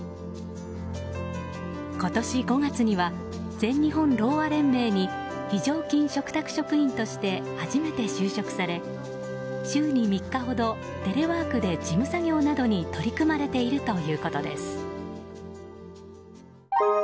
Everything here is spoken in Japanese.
今年５月には全日本ろうあ連盟に非常勤嘱託職員として初めて就職され週に３日ほどテレワークで事務作業などに取り組まれているということです。